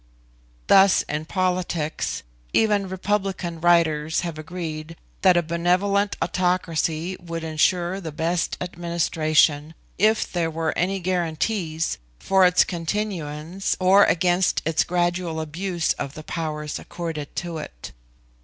Thus in politics, even republican writers have agreed that a benevolent autocracy would insure the best administration, if there were any guarantees for its continuance, or against its gradual abuse of the powers accorded to it.